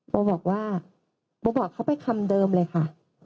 โบบอกว่าโบบอกเขาไปคำเดิมเลยค่ะ